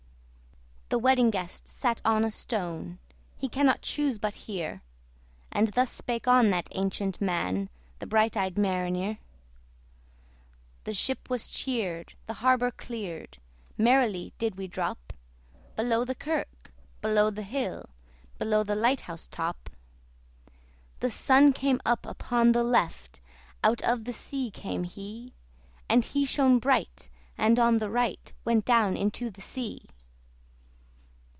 The Wedding Guest sat on a stone: He cannot chuse but hear; And thus spake on that ancient man, The bright eyed Mariner. The ship was cheered, the harbour cleared, Merrily did we drop Below the kirk, below the hill, Below the light house top. The Sun came up upon the left, Out of the sea came he! And he shone bright, and on the right Went down into the sea.